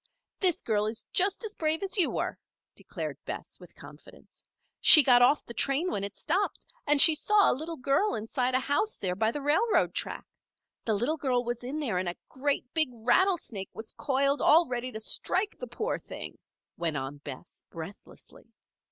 "This girl is just as brave as you were," declared Bess, with confidence. "She got off the train when it stopped. And she saw a little girl inside a house there by the railroad track. The little girl was in there and a great, big rattlesnake was coiled all ready to strike the poor little thing," went on Bess, breathlessly.